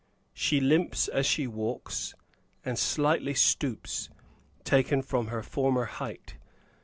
She limps as she walks, and slightly stoops, taken from her former height.